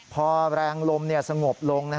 พอแรงลมสงบลง